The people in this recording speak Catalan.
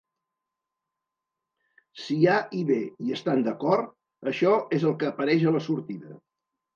Si "A" i "B" hi estan d"acord, això és el que apareix a la sortida.